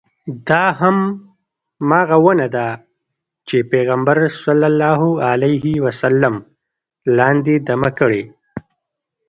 دا همغه ونه ده چې پیغمبر صلی الله علیه وسلم لاندې دمه کړې.